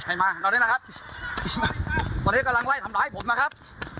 มาตอนนี้นะครับตอนนี้กำลังไล่ทำร้ายผมนะครับ